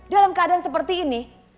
dalam keadaan seperti ini